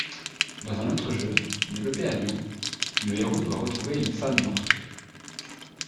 Dans un autre jeu, développé à Lyon, le héros doit retrouver une femme morte.